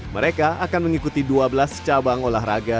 mereka akan mengikuti dua belas cabang olahraga